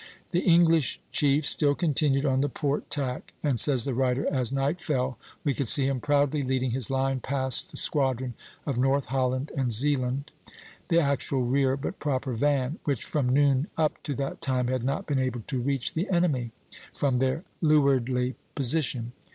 "The English chief still continued on the port tack, and," says the writer, "as night fell we could see him proudly leading his line past the squadron of North Holland and Zealand [the actual rear, but proper van], which from noon up to that time had not been able to reach the enemy [Fig. 2, R''] from their leewardly position."